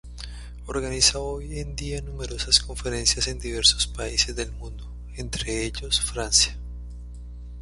Organiza hoy en día numerosas conferencias en diversos países del mundo, entre ellos Francia.